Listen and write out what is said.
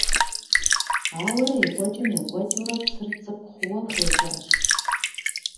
Ауэрэ екӀуэкӀым - екӀуэкӀыурэ, псыр цӀыкӀу хъууэ хуежьащ.